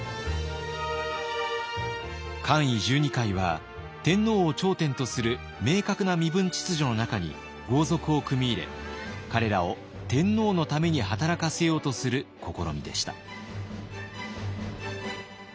冠位十二階は天皇を頂点とする明確な身分秩序の中に豪族を組み入れ彼らを天皇のために働かせようとする試みでした。